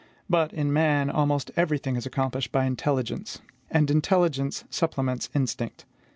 But, in man, almost every thing is accomplished by intelligence; and intelligence supplements instinct.